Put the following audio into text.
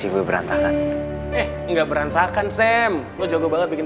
if cuma itu saja yang gua lakuin